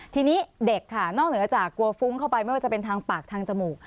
ทีนี้เด็กค่ะนอกเหนือจากกลัวฟุ้งเข้าไปไม่ว่าจะเป็นทางปากทางจมูก